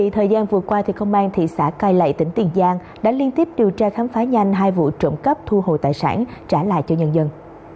thời gian vừa qua công an thị xã cai lậy tỉnh tiền giang đã liên tiếp điều tra khám phá nhanh hai vụ trộm cắp thu hồi tài sản trả lại cho nhân dân